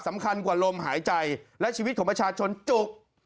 สำคัญกว่าลมหายใจและชีวิตของประชาชนจุก